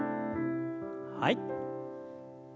はい。